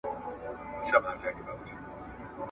کتاب د انسان ذهن ته ځواک ورکوي او د فکر ژورتيا زياتوي هر وخت `